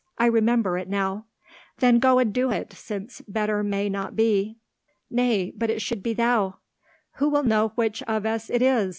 I remember it now." "Then go and do it, since better may not be." "Nay, but it should be thou." "Who will know which of us it is?